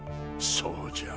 そうじゃ。